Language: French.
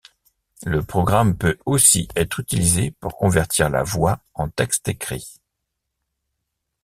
Le programme peut aussi être utilisé pour convertir la voix en texte écrit.